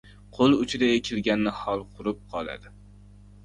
• Qo‘l uchida ekilgan nihol qurib qoladi.